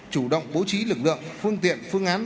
chủ động bố trí lực lượng phương tiện phương án